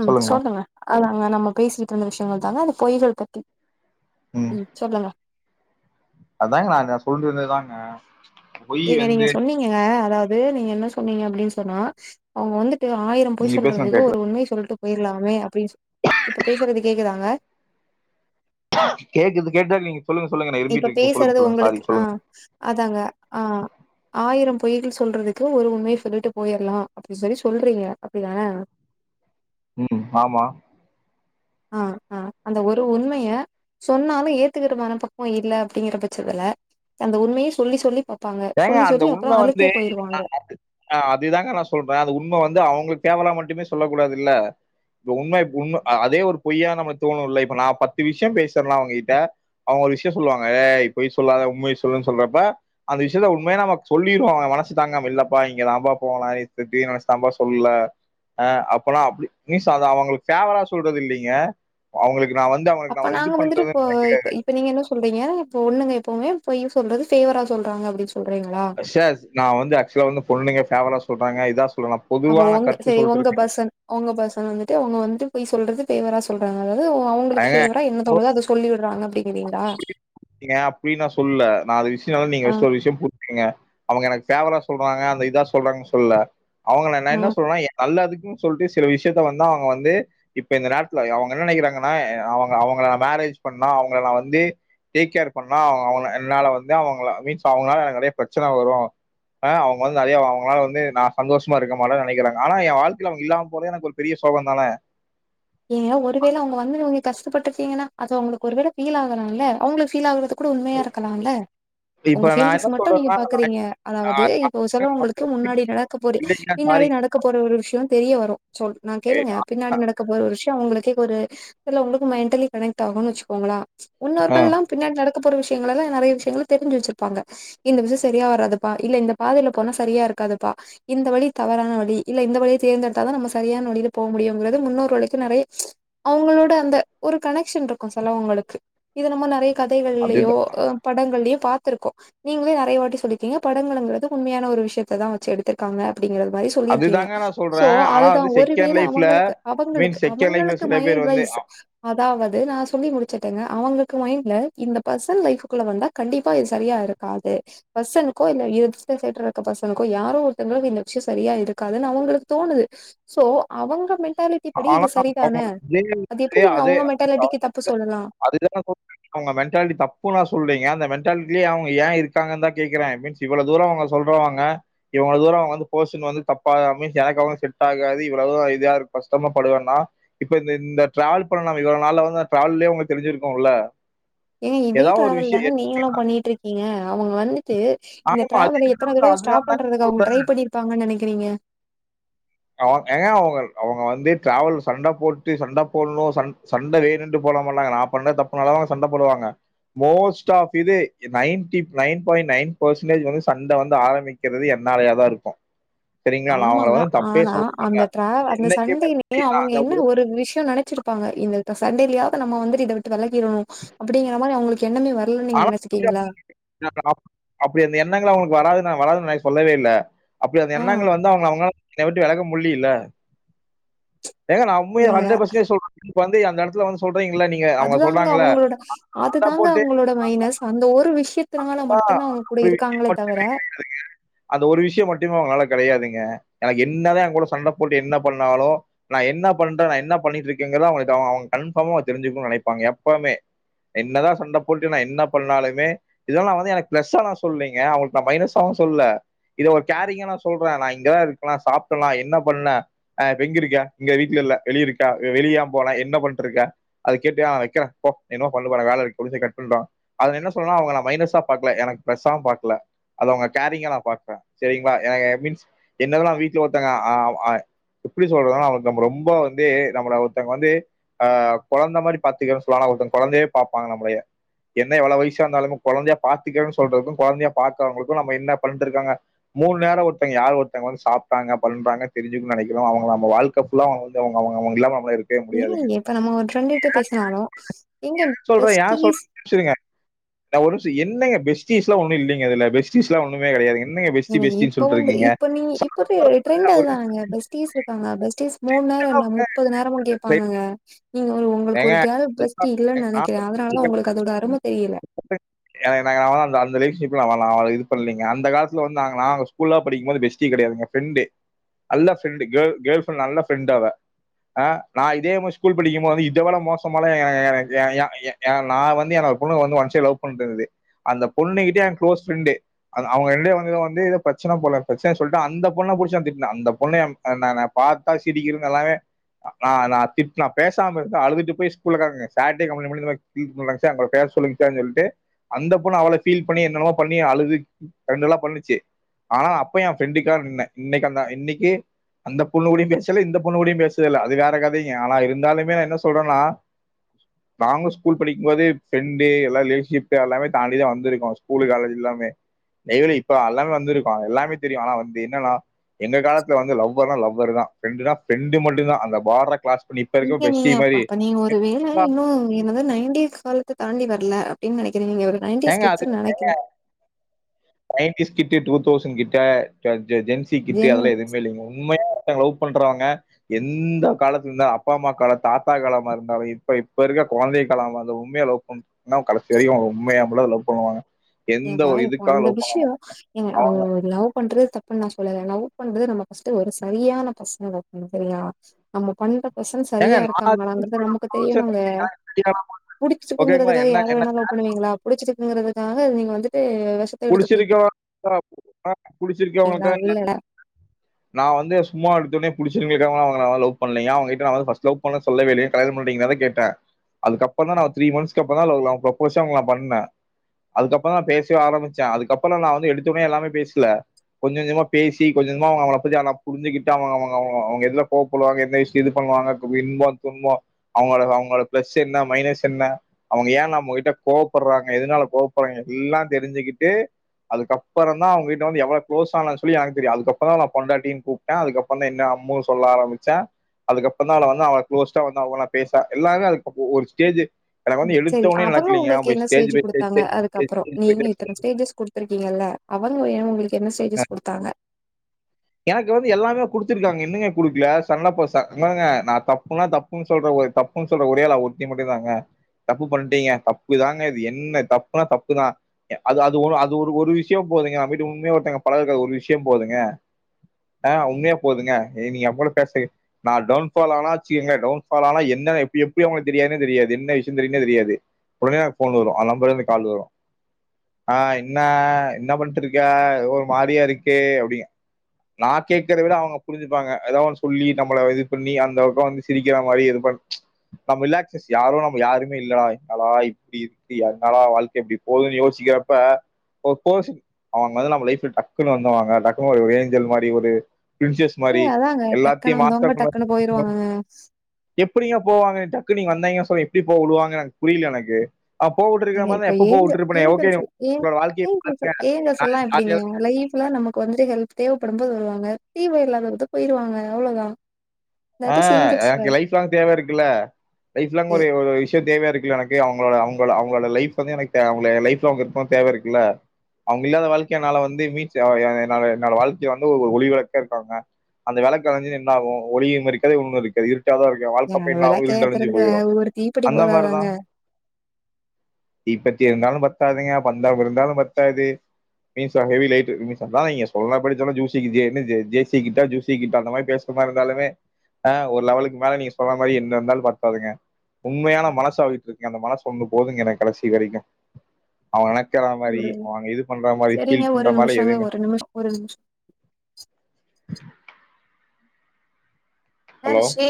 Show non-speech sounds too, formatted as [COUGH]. ம் சொல்லுங்க அதாங்க நம்ம பேசிட்டு இருந்த விஷயங்கள் தாங்க அந்த பொய்கள் பத்தி ம் சொல்லுங்க அதாங்க நாங்க சொல்றது தாங்க ஏங்க நீங்க சொன்னீங்கங்க அதாவது நீங்க என்ன சொன்னீங்க அப்டின் சொன்னா அவுங்க வந்து ட்டு ஆயிரம் பொய் நீங்க பேசுங்க சொல்றதுக்கு கேக்குற ஒரு உண்மைய சொல்ட்டு போயிறலாமே அப்டின் இப்ப பேசுறது கேக்குதாங்க கேக்குது கேட்டா நீங்க சொல்லுங்க சொல்லுங்க நா இருமிட்டு இப்ப இருக்க சொல்லுங்க பேசுறது சொல்லுங்க சாரி உங்களுக்கு ஆ சொல்லுங்க அதாங்க ஆ ஆயிரம் பொய்கள் சொல்றதுக்கு ஒரு உண்மைய சொல்லிட்டு போயிறலா அப்டின்னு சொல்லி சொல்றீங்க அப்டிதான ம் ஆமா ஆ ஆ அந்த ஒரு உண்மைய சொன்னாலும் ஏத்துக்கிற மன பக்குவோ இல்ல அப்டிங்கிற பட்சத்துல அந்த உண்மைய சொல்லி சொல்லி பாங்க ஏங்க சொல்லி சொல்லி அப்றோ அழுத்தே போயிருவாங்க நா அதுதாங்க நா சொல்ற அது உண்ம வந்து அவுங்களுக்கு தேவனா மட்டுமே சொல்லக் கூடாதுல்ல இப்ப உண்ம உண்ம அதே ஒரு பொய்யா நம்ம தோணும்ல்ல இப்போ நா பத்து விஷயோ பேசுறனா அவுங்ககிட்ட அவுங்க ஒரு விஷயோ சொல்லுவாங்க ஏ பொய் சொல்லாத உண்மைய சொல்லுன்னு சொல்றப்ப அந்த விஷயத்த உண்மையா நம்ம சொல்லிருவோ மனசு தாங்காமா இல்லப்பா இங்க தா பா போலா இப்டி இப்டி நெனச்சிதா பா சொல்லல அ அப்பனா அப்டி மிஸ் அது அவுங்களுக்கு பேவரா சொல்றது இல்லைங்க அவுங்களுக்கு நா வந்து இந்த அவனுக்கு அப்ப நா வந்து இது நாங்க வந்துட்டு பண்றதுன்ன இப்ப நெனக்கிறாரு இப்ப இப்போ நீங்க என்ன சொல்றீங்க இப்போ பொண்ணுங்க எப்பவுமே பொய் சொல்றது ஃபேவரா சொல்றாங்க அப்டினு சொல்றீங்களா செ நா வந்து ஆக்சுவலா வந்து பொண்ணுங்க ஃபேவரா சொல்றாங்க இதா சொல்றா அப்ப உங்க செரி உங்க பசங் உங்க பசங்க வந்துட்டு அவங்க வந்துட்டு பொய் சொல்றது ஃபேவரா சொ சொல்றாங்க அதாவது அவங்களுக்கு ஏங்க ஃபேவரா என்ன தோணுதுதோ அத சொல்லிடுறாங்க அப்படிங்கறீங்களா ஏன் அப்டின்னு சொல்ல நா அது விஷயோ நீங்க ஆ சில விஷ்ய பு அவங்க எனக்கு ஃபேவரா சொல்றாங்க அந்த இதா சொல்றாங்கன்னு சொல்லல அவங்க நா ஆ என்ன சொல்றன்ன நல்லதுக்குன்னு சொல்லிட்டு சில விஷயத்த வந்து அவங்க வந்து இப்ப இந்த நேரத்துல அவங்க என்ன நெனக்கிறாங்கன் ஆ அவங்க அவங்க மேரேஜ் பண்ணா அவங்கள நா வந்து டேக் கேர் பண்ணா அவங்க என்னால வந்து அவங்க மீன்ஸ் அவங்களால நெறைய பிரச்சன வரும் ஆ அவங்க வந்து நெறைய அவங்களால வந்து நா சந்தோஷமா இருக்க மாட்டேனு நெனக்கிறாங்க ஆன எ வாழ்க்கைல அவங்க இல்லாம போனது எனக்கு பெரிய சோகம் தானே ஏங்க ஒருவேல அவங்க வந்து நீங்க கஷ்டப்பட்டுடிங்கன்னா அது அவங்களுக்கு ஒரு வேல ஃபீல் ஆகலாம்ல அவங்களுக்கு ஃபீல் ஆகுறதுக்கு கூட உண்மையா இருக்கலாம்ல இப்ப உங்க நான் ஃபீலிங்ஸ் என்ன மட்டும் நீங்க சொல்றேன்னா பாக்றீங்க அதாவது இப்போ செலவங்களுக்கு முன்னாடி நடக்க போர இல்லைங்க பின்னாடி சாரி. நடக்க போற ஒரு விஷயோ தெரிய வரு சொ நா கேளுங்க பின்னாடி நடக்க இப்ப விஷயோ உங்களுக்கே ஒரு உங்களுக்கு மெண்டல்லி கனெக்ட் ஆகும்னு வச்சுக்கோங்களா ஆ முன்னோர்கள்ல்லா பின்னாடி நடக்க போற விஷயங்கலாம் நெறைய விஷயங்கள் தெரிஞ்சு வெச்சிருப்பாங்க இந்த விஷயம் சரியா வராதுப்பா இல்ல இந்த பாதைல போனா செரியா இருக்காதுப்பா இந்த வழி தவறான வழி இல்ல இந்த வழிய தேர்தேடுத்தா தான் நம்ம சரியான வழியில போ முடியுங்கறத முன்னோரு உழக்கும் நெறைய அவங்களோட அந்த ஒரு கனெக்ஷன் இருக்கும் சிலவுங்களுக்கு இது நம்ம நெறைய கதைகள்லயோ அதுதா படங்கள்லயோ பாத்திருக்கோம் நீங்களே நெறைய வாட்டி சொல்லிருக்கீங்க படங்களங்குறது உண்மையான ஒரு விஷயத்த தான் வச்சு எடுத்திருக்காங்க அப்டிங்கறது மாறி சொல்லியிருக்கீங்க அதுதாங்க நான் சோ சொல்றேன். ஆனா வந்து அதுதான் செகண்ட் ஒருவேள லைஃப்ல அவங்களுக்கு அவங்களுக்கு மீன் செகண்ட் லைஃப்ல அவங்களுக்கு சில மை பேர் வந்து அட்வைஸ் அதாவது நான் சொல்லி முடிச்சேருங்க அவங்களுக்கு மைண்ட்ல இந்த பர்சன் லைப்க்குள்ள வந்தா கண்டிப்பா இது சரியா இருக்கு காது பர்சன்க்கோ இல்ல எதுத்த சைட்டு இருக்க பர்சனுக்கோ யாரோ ஒருத்தங்களுக்கு இந்த விஷயம் சரியா இருக்காதுன்னு அவங்களுக்கு தோணுது சோ அவங்க மென்டாலி ட்டிப்படி இது ஆனா சரிதானே அவங்க அது எப்டி நீங்க அதே அவங்க அதே மெட்டாலிட்டிக்கு தப்பு சொல்லலாம் அதுதான் சொல் [UNINTELLIGIBLE] இருக்காங்க அவங்க மெண்டாலிட்டி தப்புன்னு நான் சொல்லங்க அந்த மெண்டாலிட்டிலயே அவங்க ஏன் இருக்காங்க தான் கேக்குறேன் மீன்ஸ் இவ்வள தூரம் அவங்க சொல்றவாங்க இவல தூரம் அவங்க வந்து பேர்சன் வந்து தப்ப எனக்கு அவங்க செட் ஆகாது இவளவுதூரம் இதா இருக்கும் கஷ்டமா படுவேன்னா இப்ப இந்த டிராவல் பண்ண நம் இவள நாள்ல வந்து டிராவல்யே உங்களுக்கு தெரிஞ்சிருக்கும்ல்ல ஏங்க இதே டிராவல் தானே நீங்களும் பண்ணிட்டு இருக்கீங்க அவங்க வந்துட்டு இந்த ஆமா அதே டிராவல எத்தன டிராவல்ல தடவ அதனால ஸ்டாப் தாங்க பண்றது சொல்றேன். அவங்க ட்ரை பண்ணிருப்பாங்கனு நினைக்கிறீங்க அவங்க ஏங்க அவங்க வந்து டிராவல் சண்ட போட்டு சண்ட வேணும்டு சண் ச போட வேணுமட்டு போட மாட்டாங்க பண்ற தப்புனால தான் சண்ட போடுவாங்க மோஸ்ட் ஆப் இதே ninety nine point nine percentage வந்து சண்ட வந்து ஆரம்பிக்கிறது என்னாலய தான் இருக்கும் சரிங்களா நான் அவங்கள ஆமாங்க. வந்து தப் ஆனா அந்த டிராவ அந்த சண்டையிலேய அவங்க என்ன ஒரு விஷயம் நினைச்சிருப் இருப்பாங்க இந்த சண்டேலாதுஸ நம்ம வந்துட்டு இத விட்டு விளக்கிடணும் அப்டிங்கற மாறி அவங்களுக்கு என்னமே வர ஆனா அப்டி அந்த எண்ணங்கள் அவங்களுக்கு வராது நான் வராதுன்னக்கு சொல்லவே இல்ல அப்டி அந்த ஆ எண்ணங்கள் வந்த அவங்க அவங்களால என் விட்டு விளக்க முல்லில்ல ஏங்க நா உண்மையா ஏங்க ஹண்ரட் பெர்சன்டேஜ் சொல்றேங்க வந்து அந்த எடத்துல வந்து சொல்றீங்கள நீங்க அவங்க அதுதாங்க சொல்றாங்களா அவங்களோட சண்ட அதுதாங்க போட்டு அவங்களோட மைனஸ் அந்த ஒரு விஷியத்தினால ஆ. மட்டுதா அவங்க கூட ஒரு விஷயம் இருக்காங்களே மட்டும் தவிர அந்த ஒரு விஷயம் மட்டுமே அவங்கால கெடையாதுங்க எனக்கு என்னதா எங்கோட சண்ட போட்டு என்ன பண்ணாலு நா என்ன பண்றே நா என்ன பண்ணிட்டு இருக்கேங்கிறத அவங்களுக்கு அவங்க கன்பாமா அவ தெரிஞ்சுக்கனும்னு நெனைப்பாங்க எப்பவுமே என்னதா சண்ட போட்டு நா என்ன பண்ணாலுமே இதெல்லா நா வந்து எனக்கு இதெல்லா நா வந்து எனக்கு பிளஸ்ஸா நா சொல்லீங்க அவங்களுக்கு நா மைனஸ்ஸாவு சொல்லல்ல இத ஒரு கேரிங்கனா சொல்றே நா இங்கதா இருக்கனா சாப்டனா என்ன பண்ணே ஆ இப்ப எங்க இருக்க இங்க வீட்ல இல்லா வெளிய இருக்கியா வெளிய ஏ போனா என்ன பண்ணிட்டு இருக்கா அது கேட்டு ஆ நா வைக்கிறே போ என்னம்மோ பண்ணு போ எனக்கு வேல இருக்கு சொல்லிட்டு கட் பண்ருவா அது நா என்ன சொல்ரனா அவங்கள மைனஸா பாக்குல எனக்கு பிளஸ்ஸா பாக்குல அது அவங்க கேரிங்கா நா பாக்றே செரிங்களா எ மீன்ஸ் என்னெல்லா வீட்ல ஒருத்தாங்க ஆ ஆ எப்டி சொல்றதுனா அவங்களுக்கு நம்ம ரொம்ப வந்து நம்மள ஒருத்தங்க வந்து ஆ கொழந்த மாறி பாத்துக்கிறன்னு சொல்லுவாங்கல ஒருத்தங்க கொழந்தையே பாப்பாங்க நம்மளைய என்னய எவ்ளோ வயச இருந்தாலுமே கொழந்தையா பாத்துக்கேன்னு சொல்றதுக்கு கொழந்தைய பாக்கறவங்களு நம்ம என்ன பண்ணுட்டு இருக்கோங்க மூணு நேரோ ஒருத்தங்க யார் ஒருத்தங்க வந்து சாப்டாங்க பண்றாங்க தெரிசுக்குன்னு நெனைக்கிறோ அவங்க நம்ம வாழ்க்க புல்லா வந்து அவங்க அவங்க அவங்கில்லாம அவங்களா இருக் ஏ இப்ப நம்ம ஒரு பிரெண்டுட்ட பேசினாலு எங்க பெஸ்டீஸ் செரிங்க நா ஒரு நிமிசோ என்னங்க பெஸ்டீஸ்ல ஒன்னு இல்லங்க அதுல பெஸ்டீலா ஒண்ணமே கெடையாதுங்க நீங்க இப்ப வந்து இப்ப நீ இப்ப ட்ரெண்டு அதுதான்னங்க பெஸ்ட் டீஸ் இருக்காங்க பெஸ்டீஸ் மூணு நேரோ என்னா முப்பது நேரமு கேப்பாங்கங்க நீங்க ஒரு உங்களுக்கு ஒரு கேலு பெஸ்டி இல்லென்னு நெனைக்கிறே அதனால ஏங்க தா உங்களுக்கு அதோட அரும தெரியல எனக்கு நா வேணா அந்த ரிலஷன்ஷிப்லா வே‌ணா இது பண்ணலங்க அந்த காலத்துல வந்து நா நாங்க ஸ்கூல்லா படிக்கும் போது பெஸ்டி கெடையாயதுங்க ப்ரெண்டு நல்ல ஃப்ரெண்டு கேர்ள் ஃப்ரெண்டு நல்ல ஃப்ரெண்டடு அவ நா இதே மாறி ஸ்கூல் படிக்கும் போது இத விட மோசமால்ல ஏ ஏ ஏ ஏ ஏ ஏ நா வந்து எண்ண வந்து ஒரு பொண்ணு வந்து ஒன் ஸைடு லவ் பண்ணிட்டு இருந்தது அந்த பொண்ணு கிட்டயே எ குளோஸ் ஃப்ரெண்டு அவங் அவங்க ரெண்டேயே வந்தது வந்து இத பிரச்சனை போல பிரச்சனைய சொல்லிட்டு அந்த பொண்ணை புடிச்சி திட்னே அந்த பொண்ண நா நா பாத்தா சிரிக்கிருனெல்லாமே நா நா திட் நா பேசாம அழுதுட்டு போய் ஸ்கூல்ல தா இருந்தே சர்டே கம்ளைன் பண்ணிட்டு இந்த மாரி பீல் பண்ராங்க சார் பேச சொல்லுங்க சார்னு சொல்லிட்டு அந்த பொண்ணு அவளோ ஃபீல் பண்ணி என்னென்னமோ பண்ணி அழுது ரெண்டெல்லா பண்ணுச்சு ஆனா அப்பயு எ ஃப்ரெண்டுக்காக நின்னே இன்னைக்கு அந்தா இன்னைக்கு அந்த பொண்ணு கூடயு பேசல இந்த பொண்ணு கூடயு பேசவே இல்லைங்க அது வேற கதைங்க ஆனா இருந்தாலுமே நா என்ன சொ சொல்றேனா நாங்க ஸ்கூல் படிக்கும்போது ஃப்ரெண்டு எல்லா ரிலேஷன்ஷிப் எல்லாமே தாண்டிதா வந்துருக்கோ ஸ்கூல் காலேஜ் எல்லாமே நெய்ல இப்ப எல்லாமே வந்திருக்க எல்லாமே தெரியு ஆனா வந்து என்னன்னா எங்க காலத்துல வந்து லவ்வர் நா லவ்வர் தா ஃப்ரெண்டுனா ஃப்ரெண்டு மட்டு தா அந்த பாடர கிராஸ் பண்ணி இப்போ இருக்குர பெஸ்ட் நீ அப்ப அப்ப நீ ஒரு வேளை இன்னு என்னது நைன்டிஸ் காலத்த தாண்டி வரல அப்டின்னு நெனைக்கிற நீங்க ஒரு நைன்டிஸ் கிட்ஸ் நெனைக்கிரே நைன்டீஸ் கிட்டு டூ தௌசண்ட் கிட்ட ஜெ ஜென்சி கிட்டு ஜென் அதெல்லா எதுவுமே இல்லெங்க உண்மையா ஒருத்தவங்க லவ் பண்றவங்க எந்த காலத்து இருந்தாலு அப்பா அம்மா காலோ தாத்தா காலமா இருந்தாலு இப்ப இப்ப இருக்க கொழந்தைய இருக்கலாம் அந்த உண்மையா லவ் பண்ணா கடைசி வரைக்கு உண்மை கூட லவ் பண்ணுவாங்க எந்த ஏன்னா ஒரு இப்ப இதுக்காக அந்த லவ் பண்ண விஷயோ ஏங்க மாட்டாங்க அவுங்க அவங்க ஒரு லவ் பண்றது தப்புன்னு நா சொல்லல லவ் பண்றது நம்ம ஃபஸ்ட்டு ஒரு சரியான பசங்க லவ் பண்ணனு சரியா நம்ம பண்ற பர்சன் ஏங்க சரியா நான் இருக்காங்களாங்கறத நமக்கு தெரியணுங்க ஓகேங்களா புடிச்சிட்டுக்குங்கறதுக்காக என்ன யார என்ன வேணா லவ் பண்ணுவீங்களா புடிச்சிட்டுக்குங்கிறதுக்காக நீங்க வந்துட்டு விச புடிச்சிருக்கோம் ப ப புடிச்சிருக்கவங்க குடிப்பீங்களா? ளுக்காக இல்லல்ல. தா நா வந்து சும்மா எடுத்தோன்னயே புடிச்சிருக்கு அவங்கள னா லவ் பண்ணலேஙக அவங்கிட்ட நா வந்து லல் பண்றேனு சொல்லவேயில்லையே கல்யாணம் பன்றீங்கன்னதா கேட்டே அதுக்கப்பறம் தா த்ரீ மந்த்ஸ்கு அப்பறோ தா ப்ரபோசே நா பண்ணே அதுக்கப்பறம் தா பேசவே ஆரம்பிச்சே அதுக்கப்பறல்லாம் நா வந்து எடுத்தோனயே எல்லாமே பேசுல கொஞ்சம் கொஞ்சமா பேசி கொஞ் கொஞ்சமா அவங்கள பத்தி நல்லா புரிஞ்சுட்டு அவங்க அவங்க அவங்க எதுல கோவ பண்ணுவாங்க எந்த விஷ்யோ இது பண்ணுவாங்க இன்போ துன்பம் அவங்களோட அவங்க ப்ளஸ் என்ன மைனஸ் என்ன அவங்க ஏ நம்மகிட்ட கோவப்படுறாங்க எதுனால கோவப்படுறாங்க எல்லா தெரிஞ்சுக்கிட்டு அதுக்கப்பறம் தா அவங்க கிட்ட வந்து எவ்ளோ க்ளோஸ் ஆனேன்னு எனக்கு தெரியு அதுக்கப்பறம் தா பொண்டாட்டின்னு கூப் தே அதுக்கப்பறம் தான் என்ன அம்மு சொல்ல ஆரம்பிச்சே அதுக்கப்பறம் தா அவள வந்து அவள குளோஸ்டா வந்து அவ்களா பேச எல்லாமே அதுக்கப்ப ஒரு ஸ்டேஜு சேரி அவங்க உங்களுக்கு என்ன ஸ்டேஜு பை ஸ்டேஜ் குடுத்தாங்க ஸ்டேஜ் பை அதுக்கப்பறோ ஸ்டேஜ் பை நீங்க ஸ்டேஜ் இத்தன ஸ்டேஜஸ்டு குடு துருக்கீங்கள்ல அவங்க ஏ உங்களுக்கு என்ன சேஜஸ் குடுத்தாங்க எனக்கு வந்து எல்லாமே குடுத்திருக்காங்க என்னங்க குடுக்கல சன்னப்பச இந்தாருங்க நா தப்புன்னா தப் தப்புன்னு சொல்ற ஒய் தப்புன்னு சொல்ற ஒரே ஆள் அவ ஒருத்தி மட்டு தாங்க தப்பு பணட்டீங்க தப்பு தாங்க இது என்ன தப்புனா தப்புதா அது அது ஒரு அது ஒரு ஒரு விஷ்யோ போதுங்க நம்பீட்டு உண்மயா ஒருத்தவங்க பழகுற ஒரு விஷ்யோ போதுங்க ஆ உண்மயே போதுங்க நீங் அவுங்களோட பேசவே நான் டவுன்ஃபால் ஆனாச்சுங்களே டவுன்ஃபால் ஆனா என்ன எப்ப எப்புடி அவுங்களுக்கு தெரியாதுன்னே தெரியாது என்ன விஷ்யோம் தெரியுன்னே தெரியாது ஒடனே எனக் போன் வரும். அவ நம்பர்லேந்து கால் வரும் ஆ இன்ன இன்ன பண்ணிட்டு இருக்க ஒரு மாறியா இருக்கே அப்டியா நா கேக்றத விட அவுங்க புரிஞ்சுப்பாங்க ஏதாவ் ஒன்னு சொல்லி நம்மள இது பண்ணி அந்த பக்கம் வந்து சிரிக்கிற மாறி எது பண் நம்ம ரிலாக்சஸ் யாரும் நம்ம யாருமே இல்லடா என்னடா இப்டி இருக்கு என்னடா வாழ்க்க எப்டி போதுன்னு யோசிக்கிறப்ப ஒரு கோழிப் அவுங்க வந்து நம்ம லைஃப்ல டக்குன்னு வந்தவங்க டக்குன்னு ஏஞ்சல் மாரி ஒரு ‌‌‍ பரின்சசஸ மாரி ஏங்க அதாங்க எல்லாத்தையு டக்குனு வந்தவங்க மாத்தணு டக்குனு போயிருவாங்கங்க. எப்பிடிங்க போவாங்க டக்குன்னு நீங்க வந்தீங்க சொல்லி எப்டி போ வுடுவாங்க எனக்கு புரில எனக்கு அவன் போக விட்டுருக்கிற இவ மாதிரி இப்ப தான் எப்போ போக ஏஞ்சல் விட்டுருப்பேன் ஏஞ்சல் ஓகே சொல்லு ஏஞ் உங்களோட வாழ்க்கையை ஏஞ்சல் பாருங்க சொல்லு ஏஞ்சல் செல்லா எப்டிங்க ஜாலியா அ லைஃப்ல நம்ம கொஞ்ச ஹேல்ப் தேவப்படும் போது வருவாங்க தேவ இல்லாத போது போயிருவாங்க அவ்ளோதா ஆ எனக்கு லைஃப் லாங் தேவ இருக்குல்ல லைஃப் லாங் ஏ ஒரு ஒரு விஷ்யோ தேவயா இருக்குல்ல எனக்கு அவுங்களோட அவுங்கள அவுங்களோட லைஃப் வந்து எனக்கு தே அவுங்கள லைஃப்ல அவுங்க இருக்கனு தேவ இருக்கு இல்ல அவுங்க இல்லாத வாழ்க்கைய என்னால வந்து மீட் என்ன என்னோட வாழ்க்கைல வந்து ஒரு ஒளி விளக்கா இருக்காங்க அந்த விளக்கு அணஞ்சுதுன்னா என்ன ஆகு ஒளியு இருக்காது ஒன்னு இருக்காது இருட்டாதா ஏ ஏன் வாழ்க்கப்ப என்னாகு அதெல்லாம் இருண்டு அடஞ்சு கேக்கறதுக்கு போயிரு ஒரு தீப்பெட்டி அந்த மாரிதா போதாதாங்க? இப்பத்தி இருந்தாலு பத்தாதுங்க பந்தா இருந்தாலு பத்தாது மீச ஹெவி லைட்டு நீங்க சொல்லாதிங்க சொன்னபடி சொன்னா ஜுசி கிட் ஜசி கிட்டா ஜுசி கிட்டா அந்த மாரி பேச சும்மா இருந்தாலுமே ஆ ஒரு லெவலுக்கு மேல நீங்க சொன்ன மாரி என்ன இருந்தாலு பத்தாதுங்க உண்மையான மனசு அவகிட்ட இருக்கு அந்த மனசு ஒன்னு போதுங்க எனக்கு கடைசி வரைக்கு அவ நெனக்குறா மாரி ஒரு அவ அங்க இது பண்ற மாரி சரிங்க ஃபீல் பண்ற ஒரு மாரி நிமிஷங்க எதுமே ஒரு நிமிஷ ஒரு நிம்ஷோ என்னா ஹலோ ரிஷி